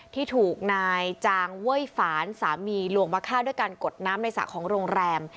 ที่ถูกนายจางเว้ยฝานสามีลวงมาฆ่าด้วยการกดน้ำในสระของโรงแรม